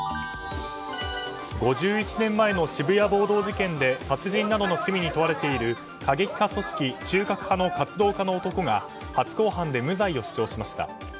５１年前の渋谷暴動事件で殺人などの罪に問われている過激派組織中核派の活動家の男が初公判で無罪を主張しました。